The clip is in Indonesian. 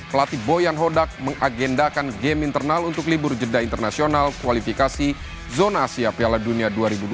pelatih boyan hodak mengagendakan game internal untuk libur jeda internasional kualifikasi zona asia piala dunia dua ribu dua puluh